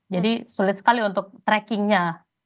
jadi sulit sekali untuk trackingnya